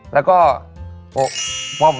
แล้วก็